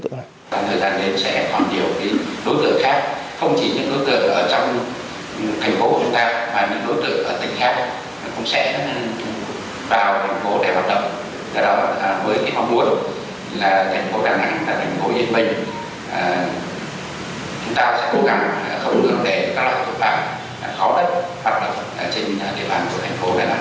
đó là mối hy vọng